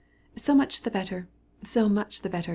"So much the better, so much the better.